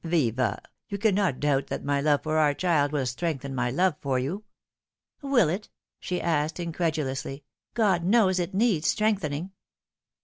" Viva, you cannot doubt that my love for our child will strengthen my love for you." " Will it ?" she asked incredulously. " God knows it needs strengthening."